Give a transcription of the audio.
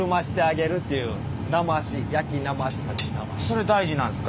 それ大事なんですか？